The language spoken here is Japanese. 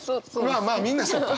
まあまあみんなそうか。